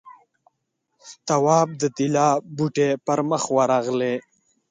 تواب د طلا ټوټې پر مخ ورغلې.